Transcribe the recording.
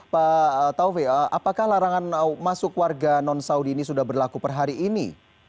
pak taufik apakah larangan masuk warga non saudi ini sudah berlaku per hari ini